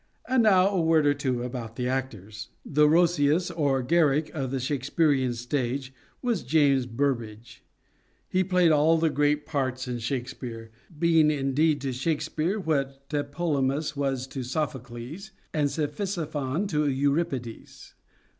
And now a word or two about the actors. The Roscius or Garrick of the Shakespearean stage was James Burbage. He played all the great parts in Shakespeare, being, indeed, to Shakespeare what Tlepolemus was to Sophocles and Cephisophon to Euripides.